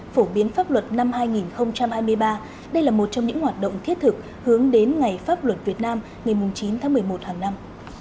phổ biến pháp luật năm hai nghìn hai mươi ba đây là một trong những hoạt động thiết thực hướng đến ngày pháp luật việt nam ngày chín tháng một mươi một hàng năm